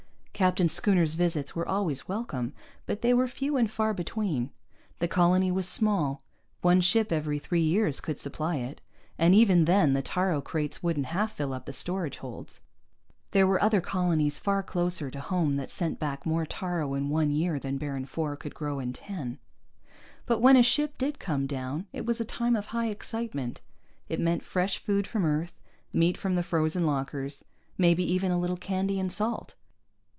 Captain Schooner's visits were always welcome, but they were few and far between. The colony was small; one ship every three years could supply it, and even then the taaro crates wouldn't half fill up the storage holds. There were other colonies far closer to home that sent back more taaro in one year than Baron IV could grow in ten. But when a ship did come down, it was a time of high excitement. It meant fresh food from Earth, meat from the frozen lockers, maybe even a little candy and salt.